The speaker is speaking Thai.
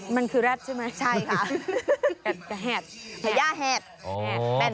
มันคือแรดใช่ไหมใช่ค่ะแฮดพญาแฮดแฮดแม่นล้อ